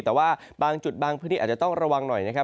แต่ว่าบางจุดบางพื้นที่อาจจะต้องระวังหน่อยนะครับ